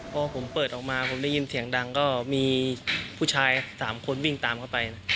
พอผมเปิดออกมาผมได้ยินเสียงดังก็มีผู้ชาย๓คนวิ่งตามเข้าไป